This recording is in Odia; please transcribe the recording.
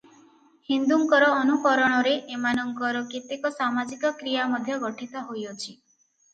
ହିନ୍ଦୁଙ୍କର ଅନୁକରଣରେ ଏମାନଙ୍କର କେତେକ ସାମାଜିକ କ୍ରିୟା ମଧ୍ୟ ଗଠିତ ହୋଇଅଛି ।